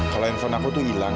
kalau handphone aku tuh hilang